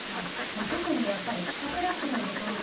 特に帰宅ラッシュの時間帯